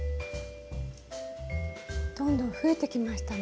どんどん増えてきましたね。